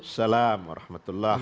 assalamualaikum warahmatullahi wabarakatuh